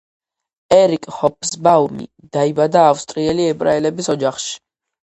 ერიკ ჰობსბაუმი დაიბადა ავსტრიელი ებრაელების ოჯახში.